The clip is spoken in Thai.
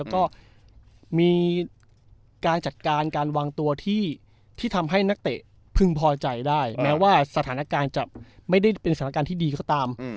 แล้วก็มีการจัดการการวางตัวที่ทำให้นักเตะพึงพอใจได้แม้ว่าสถานการณ์จะไม่ได้เป็นสถานการณ์ที่ดีก็ตาม